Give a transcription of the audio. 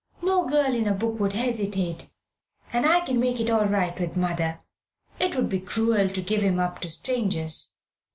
No girl in a book would hesitate. And I can make it all right with mother. It would be cruel to give him up to strangers."